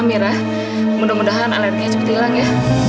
merah mudah mudahan alerginya cepat hilang ya